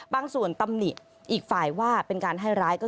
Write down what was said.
บางส่วนตำหนิอีกฝ่ายว่าเป็นการให้ร้ายก็